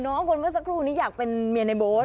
น้องคนนี้เมื่อสักครู่อยากเป็นเมียในโบ๊ท